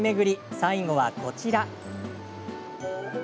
最後はこちら。